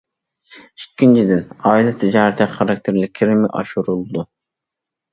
ئىككىنچىدىن، ئائىلە تىجارىتى خاراكتېرلىك كىرىمى ئاشۇرۇلىدۇ.